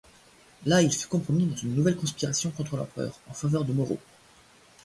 Là, il fut compromis dans une nouvelle conspiration contre l'Empereur, en faveur de Moreau.